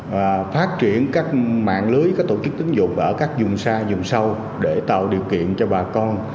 và phát triển các mạng lưới các tổ chức tính dụng ở các dùng xa dùng sâu để tạo điều kiện cho bà con